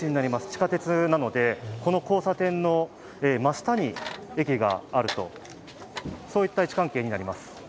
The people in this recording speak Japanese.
地下鉄なので、この交差点の真下に駅がある、そういった位置関係になります。